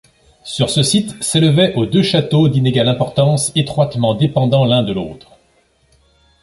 Sur ce site s'élevaient au deux châteaux d'inégale importance étroitement dépendants l'un de l'autre.